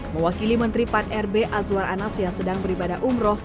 mewakili menteri pan rb azwar anas yang sedang beribadah umroh